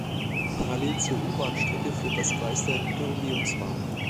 Parallel zur U-Bahn-Strecke führt das Gleis der Güterumgehungsbahn.